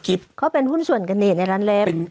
คือเป็นหุ้นส่วนกระเนียในร้านเล็ก